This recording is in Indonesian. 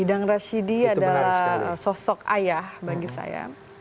idang rashidi adalah sosok ayah bagi saya